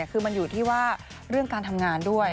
คือมันอยู่ที่ว่าเรื่องการทำงานด้วย